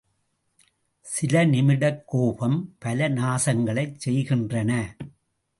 சில நிமிடக் கோபம் பல நாசங்களைச் செய்கின்றன.